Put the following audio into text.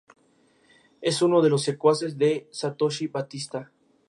Es uno de los secuaces de Satoshi Batista.